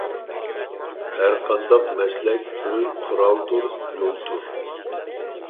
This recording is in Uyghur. ھەرقانداق مەسلەك بىر قورالدۇر، يولدۇر.